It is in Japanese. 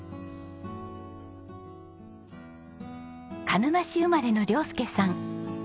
鹿沼市生まれの亮佑さん。